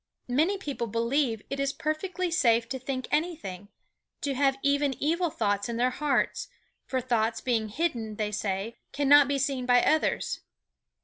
Many people believe it is perfectly safe to think anything, to have even evil thoughts in their hearts, for thoughts being hidden, they say, cannot be seen by others.